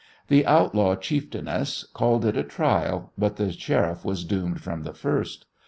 The outlaw chieftainess called it a "trial," but the Sheriff was doomed from the first.